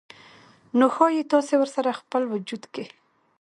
نو ښايي تاسې ورسره خپل وجود کې